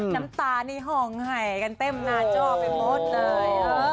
น้ำตานี่ห่องไห่กันเต็มงานจ้อไปหมดเลย